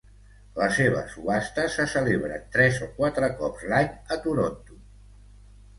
Les seves subhastes se celebren tres o quatre cops l'any a Toronto.